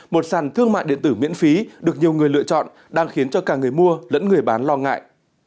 một sàn thương mại điện tử miễn phí được nhiều người lựa chọn đang khiến cho cả người mua lẫn người bán lo ngại